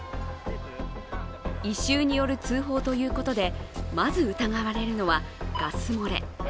異臭による通報ということで、まず疑われるのはガス漏れ。